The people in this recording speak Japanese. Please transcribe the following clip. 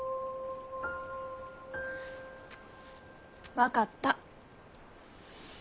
分かった。